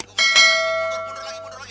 mundur lagi mundur lagi terus